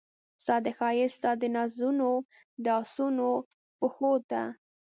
ستا د ښایست ستا دنازونو د اسونو پښو ته